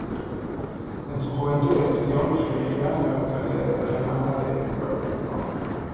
En su juventud estudió ingeniería en la localidad alemana de Brno.